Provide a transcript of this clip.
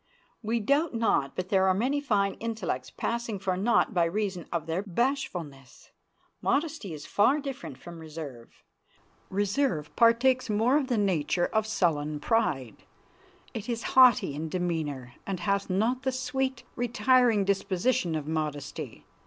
We doubt not but there are many fine intellects passing for naught by reason of their bashfulness. Modesty is far different from reserve. Reserve partakes more of the nature of sullen pride. It is haughty in demeanor, and hath not the sweet, retiring disposition of modesty.